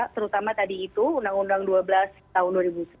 terutama tadi itu undang undang dua belas tahun dua ribu sebelas